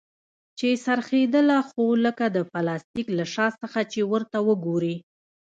چې څرخېدله خو لکه د پلاستيک له شا څخه چې ورته وگورې.